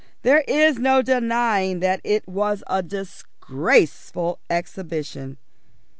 There is no denying that it was a disgraceful exhibition.